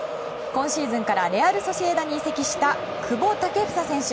今シーズンからレアル・ソシエダに移籍した久保建英選手。